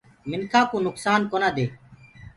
منکآ ڪوُ نُڪسآن ڪونآ دي۔